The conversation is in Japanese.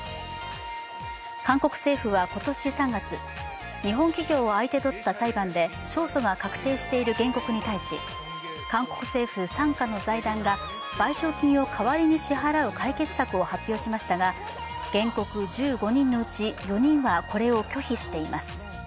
韓国政府は今年３月、日本企業を相手取った裁判で勝訴が確定している原告に対し韓国政府参加の財団が賠償金を代わりに支払う解決策を発表しましたが原告１５人のうち４人はこれを拒否しています。